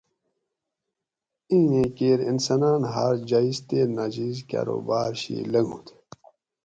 اِیں نین کیر انساناۤن ہار جایٔز تے ناجایٔز کاروبار شی لنگوت